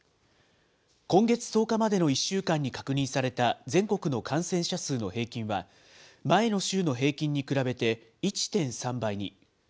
今月１０日までの１週間に確認された全国の感染者数の平均は、前の週の平均に比べて１．３倍に。